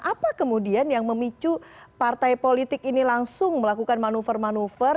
apa kemudian yang memicu partai politik ini langsung melakukan manuver manuver